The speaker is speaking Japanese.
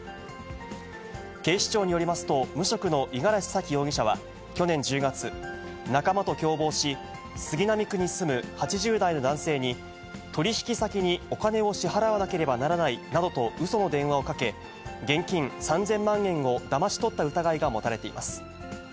警視庁によりますと、無職の五十嵐沙希容疑者は去年１０月、仲間と共謀し、杉並区に住む８０代の男性に取り引き先にお金を支払わなければならないなどとうその電話をかけ、現金３０００万円をだまし取った疑いが持たれています。